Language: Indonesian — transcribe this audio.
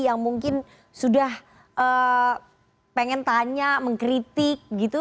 yang mungkin sudah pengen tanya mengkritik gitu